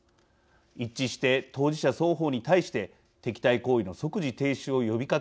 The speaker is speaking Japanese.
一致して当事者双方に対して敵対行為の即時停止を呼びかけ